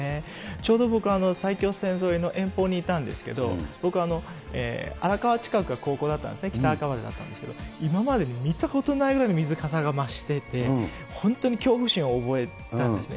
ちょうど僕、埼京線沿いの遠方にいたんですけど、僕、荒川近くが高校だったんですね、北赤羽だったんですけど、今までに見たことないぐらいの水かさが増していて、本当に恐怖心を覚えたんですね。